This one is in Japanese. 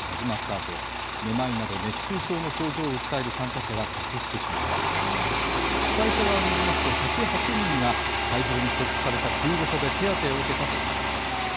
あとめまいなど熱中症の症状を訴える参加者が続出しました主催者側によりますと１０８人が会場に設置された救護所で手当てを受けたということです